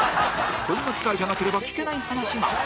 こんな機会じゃなければ聞けない話が